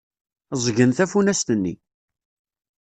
Ẓẓgen tafunast-nni.